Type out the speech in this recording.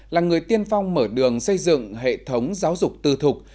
là người tiên phong mở đường xây dựng hệ thống giáo dục tư thục